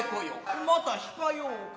また控えようか。